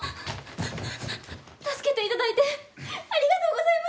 助けて頂いてありがとうございます！